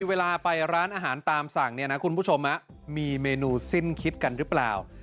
เวลาไปร้านอาหารตามสั่งเนี่ยนะคุณผู้ชมมีเมนูสิ้นคิดกันหรือเปล่า